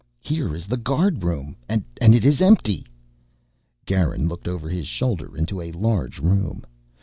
"Here is the guard room and it is empty!" Garin looked over his shoulder into a large room.